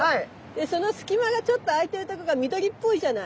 でその隙間がちょっとあいてるとこが緑っぽいじゃない。